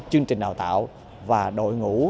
chương trình đào tạo và đội ngũ